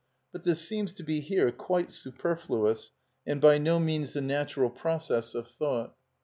But this seems to be here quite superfluous and by no means the natural process of thought.